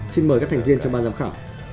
xin mời các thành viên ban giám khảo